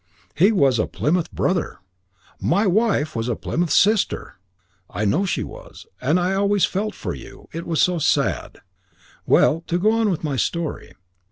He was a Plymouth Brother." "My wife was a Plymouth Sister." "I know she was, and I always felt for you. It was so sad. Well, to go on with my story.